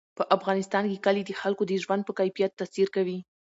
په افغانستان کې کلي د خلکو د ژوند په کیفیت تاثیر کوي.